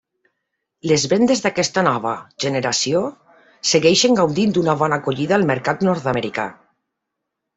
Les vendes d'aquesta nova generació segueixen gaudint d'una bona acollida al mercat nord-americà.